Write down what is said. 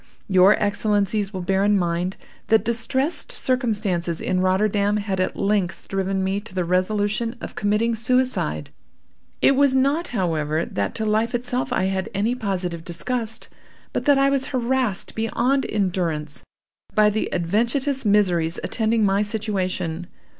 Your Excellencies will bear in mind that distressed circumstances in Rotterdam had at length driven me to the resolution of committing suicide. It was not, however, that to life itself I had any positive disgust, but that I was harassed beyond endurance by the adventitious miseries attending my situation.